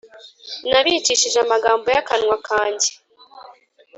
Nabicishije amagambo y akanwa kanjye